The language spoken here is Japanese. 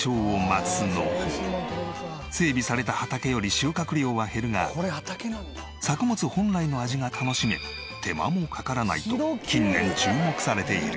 整備された畑より収穫量は減るが作物本来の味が楽しめ手間もかからないと近年注目されている。